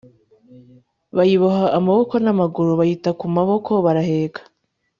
bayiboha amaboko n'amaguru, bayita ku maboko baraheka.